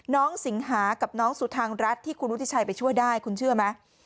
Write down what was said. สิงหากับน้องสุทางรัฐที่คุณวุฒิชัยไปช่วยได้คุณเชื่อไหม